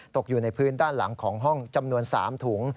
ตกอยู่ในพื้นด้านหลังของห้องจำนวน๓ถุง